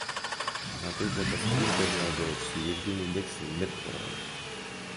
Натыйжада Спринтердин айдоочусу Евгений Лексин мерт болгон.